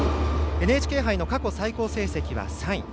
ＮＨＫ杯の過去最高成績は３位。